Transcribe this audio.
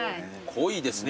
濃いですね